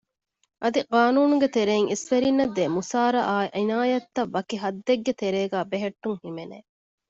އަދި ޤާނޫނުގެ ތެރެއިން އިސްވެރިންނަށްދޭ މުސާރަ އާއި ޢިނާޔަތްތައް ވަކި ޙައްދެއްގެ ތެރޭގައި ބެހެއްޓުން ހިމެނެ